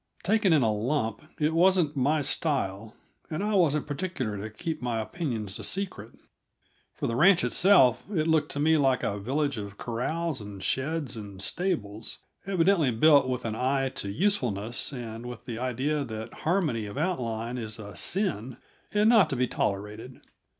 Taken in a lump, it wasn't my style, and I wasn't particular to keep my opinions a secret. For the ranch itself, it looked to me like a village of corrals and sheds and stables, evidently built with an eye to usefulness, and with the idea that harmony of outline is a sin and not to be tolerated.